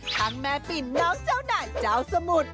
ทั้งแม่ปิ่นน้องเจ้านายเจ้าสมุทร